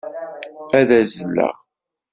Ad azzleɣ.